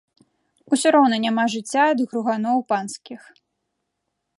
Усё роўна няма жыцця ад груганоў панскіх.